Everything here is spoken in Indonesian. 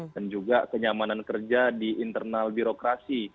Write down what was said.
dan juga kenyamanan kerja di internal birokrasi